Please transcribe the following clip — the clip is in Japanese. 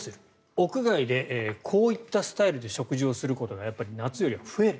屋外でこういったスタイルで食事をすることがやっぱり夏よりは増える。